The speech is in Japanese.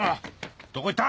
どこ行った？